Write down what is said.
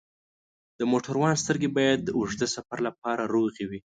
د موټروان سترګې باید د اوږده سفر لپاره روغې وي.